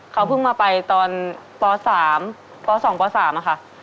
เขาเพิ่งมาไปตอนปสามปสองปสามค่ะ